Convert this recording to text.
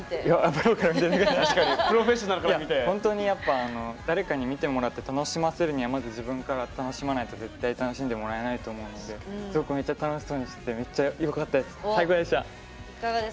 本当に誰かに見てもらって楽しませるにはまず自分から楽しまないと楽しんでもらえないと思うので楽しんでいてめっちゃよかったです！